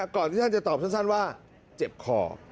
ก่อนที่ท่านจะตอบสั้นว่าเจ็บคอ